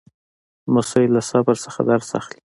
لمسی له صبر نه درس اخلي.